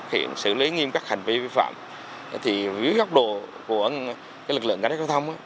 phát hiện xử lý nghiêm cắt hành vi vi phạm thì với góc độ của lực lượng cảnh giác giao thông